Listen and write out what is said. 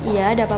ya udah pa